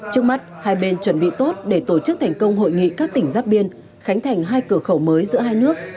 trước mắt hai bên chuẩn bị tốt để tổ chức thành công hội nghị các tỉnh giáp biên khánh thành hai cửa khẩu mới giữa hai nước